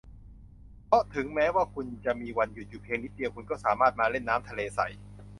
เพราะถึงแม้ว่าคุณจะมีวันหยุดอยู่เพียงนิดเดียว คุณก็สามารถมาเล่นน้ำทะเลใส